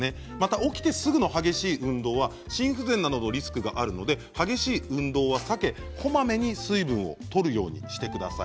起きてすぐの激しい運動は心不全などのリスクがあるので激しい運動は避けこまめに水分をとるようにしてください。